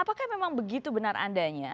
apakah memang begitu benar adanya